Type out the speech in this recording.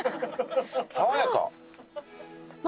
爽やか。